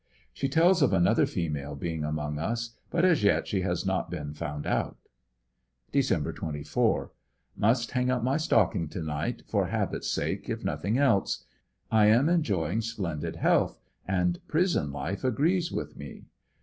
She tells of another female being among us, but as yet she has not been found out. Dec. 24. — Must hang up my stocking to night for habit's sake if n thing els^. I am enjoying splendid health, and prison life agrees with we.